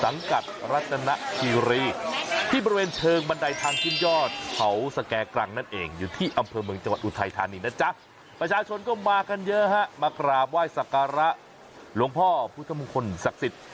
นะจ๊ะประชาชนก็มากันเยอะฮะมากราบไหว้สักการะหลวงพ่อพุทธมงคลศักดิ์สิทธิ์